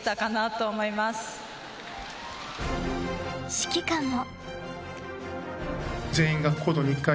指揮官も。